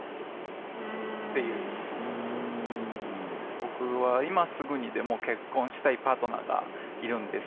僕は今すぐにでも結婚したいパートナーがいるんです。